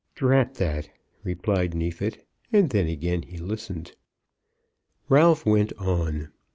"Drat that," replied Neefit, and then again he listened. Ralph went on.